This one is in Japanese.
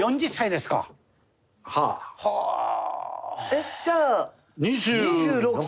えっじゃあ２６歳。